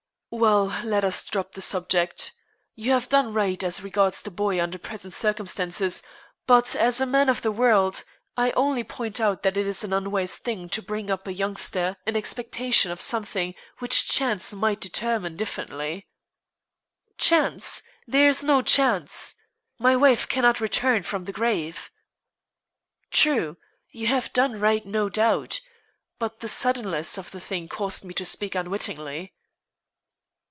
"Well, let us drop the subject. You have done right as regards the boy under present circumstances; but, as a man of the world, I only point out that it is an unwise thing to bring up a youngster in expectation of something which chance might determine differently." "Chance! There is no chance! My wife cannot return from the grave!" "True. You have done right, no doubt. But the suddenness of the thing caused me to speak unwittingly."